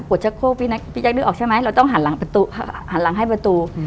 กดชกคูกพี่๑๙๙๘นึกออกใช่ไหมเราต้องหั่นหลังให้ประตู